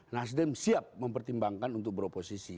nasdem siap mempertimbangkan untuk beroposisi